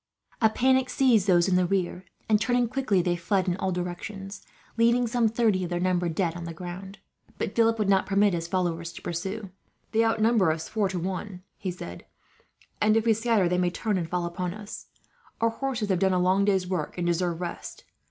A panic seized those in the rear and, turning quickly, they fled in all directions, leaving some thirty of their number dead on the ground. Philip would not permit his followers to pursue. "They outnumber us four times," he said; "and if we scatter, they may turn and fall upon us. Our horses have done a long day's work, and deserve rest.